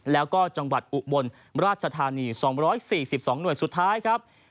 แล้วก็จังหวัดอุบลราชธานี๒๔๒หน่วยสุดท้ายครับ